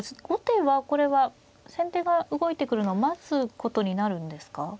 後手はこれは先手が動いてくるのを待つことになるんですか。